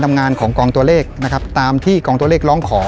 ทำงานของกองตัวเลขนะครับตามที่กองตัวเลขร้องขอ